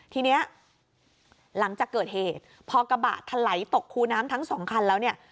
ทีนี้หลังจากเกิดเหตุพอกระบะทะไหลตกคูน้ำทั้งสองคันแล้วเนี่ย